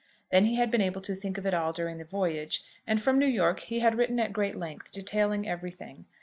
Then he had been able to think of it all during the voyage, and from New York he had written at great length, detailing everything.